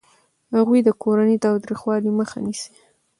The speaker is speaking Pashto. هغوی د کورني تاوتریخوالي مخه نیسي.